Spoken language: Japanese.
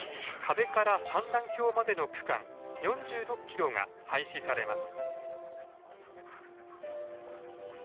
可部から三段峡までの区間４６キロが廃止されます。